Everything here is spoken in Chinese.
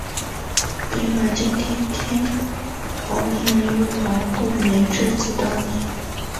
另外今上天皇明仁与皇后美智子当年。